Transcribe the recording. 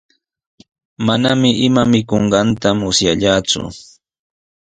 Manami ima mikunqanta musyallaaku.